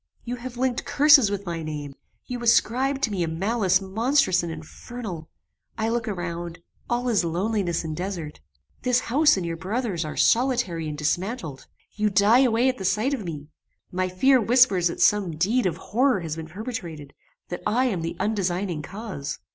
You have linked curses with my name; you ascribe to me a malice monstrous and infernal. I look around; all is loneliness and desert! This house and your brother's are solitary and dismantled! You die away at the sight of me! My fear whispers that some deed of horror has been perpetrated; that I am the undesigning cause."